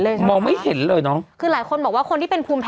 เรื่องเดียวกันหรือเรื่องอื่นก็ไม่รู้แต่ว่าในสถานะคนไข้เขาอาจจะรับเป็นเรื่องนั้น